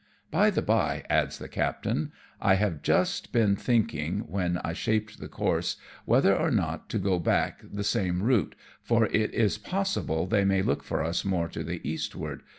" By the bye," adds the captain, "I have just been 58 AMONG TYPHOONS AND PIRATE CRAFT. thinking, when I shaped the course, whether or not to go back the same route^ for it is possible they may look for us more to the eastward.